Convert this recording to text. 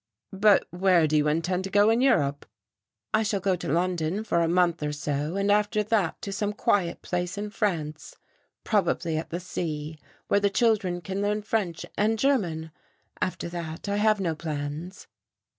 "But where do you intend to go in Europe?" "I shall go to London for a month or so, and after that to some quiet place in France, probably at the sea, where the children can learn French and German. After that, I have no plans."